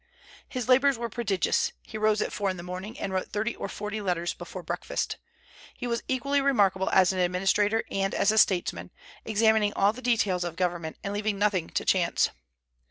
His labors were prodigious; he rose at four in the morning, and wrote thirty or forty letters before breakfast. He was equally remarkable as an administrator and as a statesman, examining all the details of government, and leaving nothing to chance.